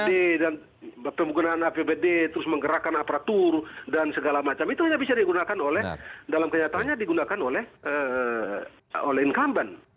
apd dan penggunaan apbd terus menggerakkan aparatur dan segala macam itu hanya bisa digunakan oleh dalam kenyataannya digunakan oleh incumbent